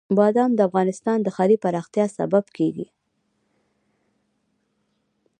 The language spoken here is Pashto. بادام د افغانستان د ښاري پراختیا سبب کېږي.